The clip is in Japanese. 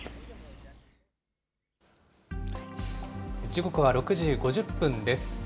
時刻は６時５０分です。